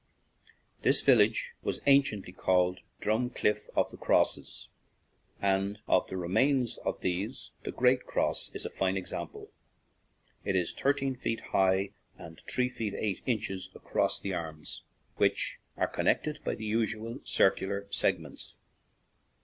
This village was anciently called "Drumcliff of the 62 BALLYSHANNON TO SLIGO Crosses/' and of the remains of these the "Great Cross" is a fine example. It is thirteen feet high and three feet eight inches across the arms, which are con nected by the usual circular segments.